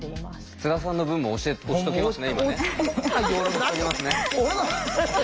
津田さんの分も押しときますね。